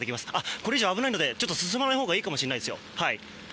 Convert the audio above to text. これ以上は危ないので進まないほうがいいかもしれないですよ。